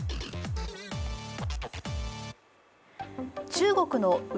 中国の内